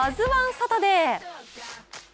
サタデー。